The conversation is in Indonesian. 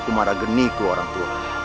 kumara geniku orang tua